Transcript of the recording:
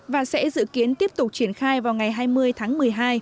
và sẽ dự kiến tiếp tục triển khai vào ngày hai mươi tháng một mươi hai